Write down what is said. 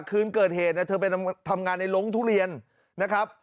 คืนเกิดเหตุเธอไปทำงานในโรงทุเรียนนะครับ